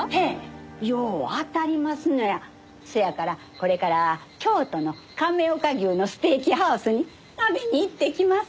せやからこれから京都の亀岡牛のステーキハウスに食べに行ってきます。